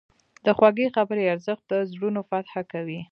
د خوږې خبرې ارزښت د زړونو فتح کوي.